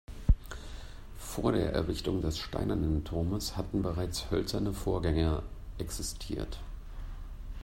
Vor der Errichtung des steinernen Turmes hatten bereits hölzerne Vorgänger existiert.